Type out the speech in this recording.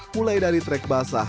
mulai dari track basah